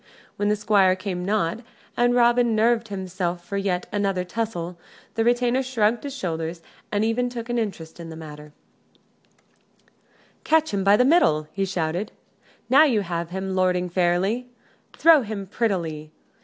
When the Squire came not, and Robin nerved himself for yet another tussle, the retainer shrugged his shoulders and even took an interest in the matter. [Illustration: ROBIN WRESTLES WILL STUTELEY AT GAMEWELL _"Catch him by the middle," he shouted. "Now you have him, lording, fairly. Throw him prettily!"